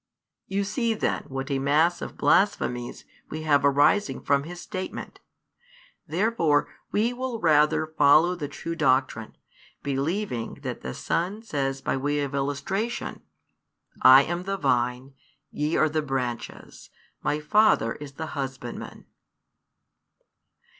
You see then what a mass of blasphemies we have arising from his statement. Therefore we will rather follow the true doctrine, believing that the Son says by way of illustration: "I am the Vine, ye are the branches, My Father is the Husbandman."